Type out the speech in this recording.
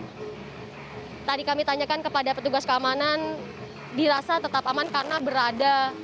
jadi tadi kami tanyakan kepada petugas keamanan dirasa tetap aman karena berada